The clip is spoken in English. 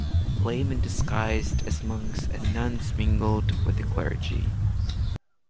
Laymen disguised as monks and nuns mingled with the clergy.